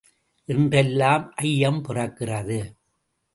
என்றெல்லாம் ஐயம் பிறக்கிறது.